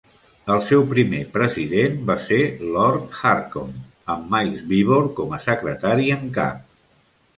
El seu primer president va ser Lord Hurcomb, amb Miles Beevor com a secretari en cap.